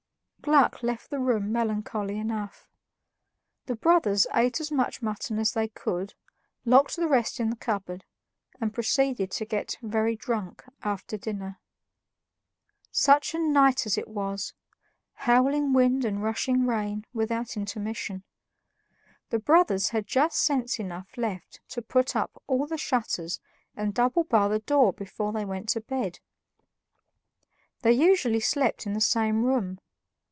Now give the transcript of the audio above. Gluck left the room melancholy enough. The brothers ate as much mutton as they could, locked the rest in the cupboard, and proceeded to get very drunk after dinner. Such a night as it was! Howling wind and rushing rain, without intermission. The brothers had just sense enough left to put up all the shutters and double bar the door before they went to bed. They usually slept in the same room.